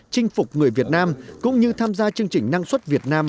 chinh phục người việt nam cũng như tham gia chương trình năng suất việt nam